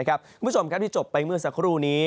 คุณผู้ชมครับที่จบไปเมื่อสักครู่นี้